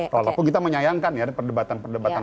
walaupun kita menyayangkan ya ada perdebatan perdebatan